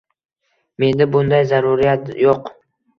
Menda bunday zarurat yoʻq.